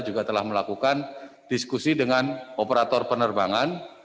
juga telah melakukan diskusi dengan operator penerbangan